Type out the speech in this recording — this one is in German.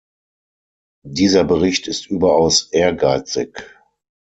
Dieser Bericht ist überaus ehrgeizig.